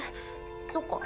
そっか。